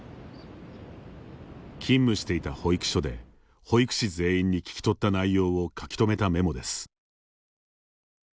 勤務していた保育所で保育士全員に聞き取った内容を書き留めたメモです。